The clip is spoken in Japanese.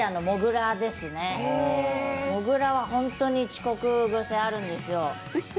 もぐらは本当に遅刻癖があるんですよ。